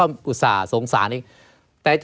ไม่มีครับไม่มีครับ